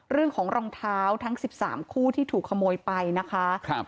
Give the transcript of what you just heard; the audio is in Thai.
เรื่องของรองเท้าทั้ง๑๓คู่ที่ถูกขโมยไปนะคะ